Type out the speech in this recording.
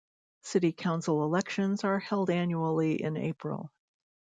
City council elections are held annually in April.